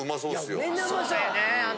みんなうまそう。